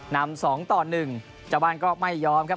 นำ๒ต่อ๑ชาวบ้านก็ไม่ยอมครับ